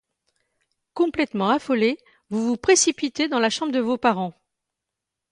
Complètement affolé, vous vous précipitez dans la chambre de vos parents.